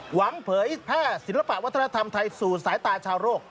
เผยแพร่ศิลปะวัฒนธรรมไทยสู่สายตาชาวโรค